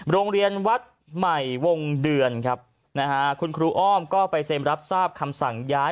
โรงเรียนวัดใหม่วงเดือนครับนะฮะคุณครูอ้อมก็ไปเซ็นรับทราบคำสั่งย้าย